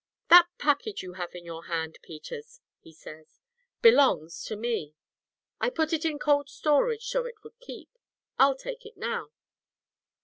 'That package you have in your hand, Peters,' he says, 'belongs to me. I put it in cold storage so it would keep. I'll take it now.'